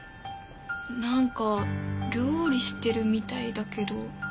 なんか料理してるみたいだけど。